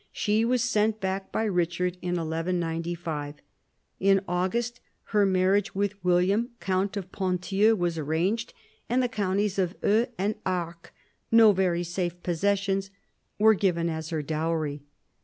She was sent back by Eichard in 1195. In August her marriage with William, count of Ponthieu, was arranged, and the counties of Eu and Arques — no very safe possessions — were given as her dowry.